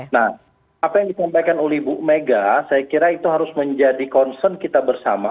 nah apa yang disampaikan oleh ibu mega saya kira itu harus menjadi concern kita bersama